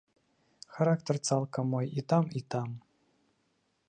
Характар цалкам мой і там, і там.